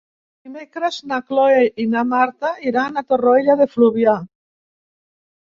Dimecres na Cloè i na Marta iran a Torroella de Fluvià.